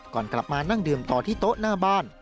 ก่อนกลับมานั่งดื่มต่อที่โต๊ะหน้าบ้าน